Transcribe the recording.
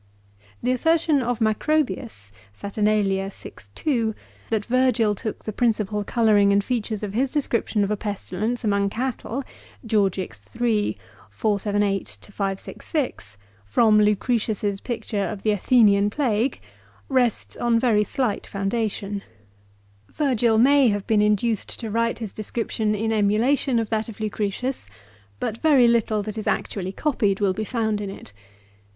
The assertion of Macrobius, (Sat. vi. 2,) that Virgil took the prin 302 LUCRETIUS. Gtipal colouring and features of his description of a pestilence among cattle (Georg. iii. 478 — 566) from Lucretius 's picture of the Athenian Slague, rests on very slight foundation. Virgil may have been in uced to write his description in emulation of that of Lucretius ; but very little that is actually copied will be found in it.